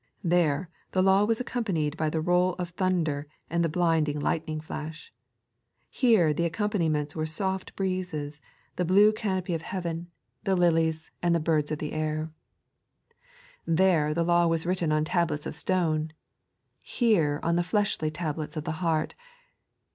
Tkwe, the Law was accompanied by the roll of thunder and the blinding hghtning flash ; here, the accom paniments were soft breezes, the blue canopy of heaven, the 3.n.iized by Google Moses and Cheist. 13 lilies, and the birds of the air. There, the Iaw was written on tablets of stone ; htn, on the fleshy tablets of the heart.